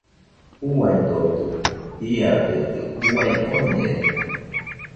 Uaidotɨkue, iadedɨ uai oñede.